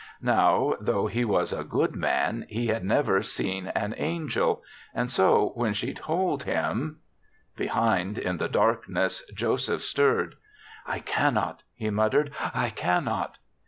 Now, though he was a good man, he had never seen an angel; and so, when she told him '' Behind, in the darkness, Joseph stirred. "I cannot, he muttered; ''I cannot.